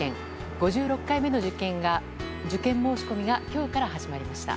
５６回目の受験申し込みが今日から始まりました。